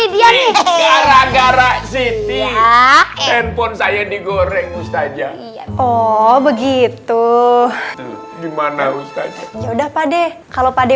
gara gara siti handphone saya digoreng ustaz oh begitu gimana ustaz ya udah pade kalau pade